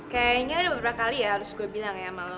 kayaknya udah beberapa kali ya harus gue bilang ya sama lo